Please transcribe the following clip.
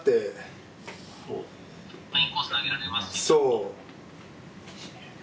そう！